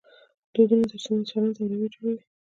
دودونه د اجتماع چلند او رویه جوړوي.